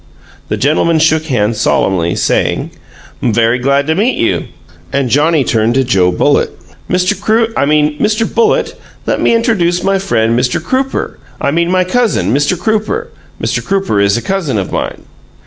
The gentlemen shook hands solemnly, saying, "'M very glad to meet you," and Johnnie turned to Joe Bullitt. "Mr. Croo I mean, Mr. Bullitt, let me intradooce my friend, Mr. Crooper I mean my cousin, Mr. Crooper. Mr. Crooper is a cousin of mine."